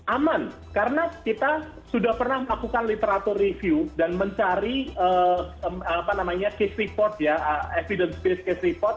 aman karena kita sudah pernah melakukan literatur review dan mencari case report ya evidence based case report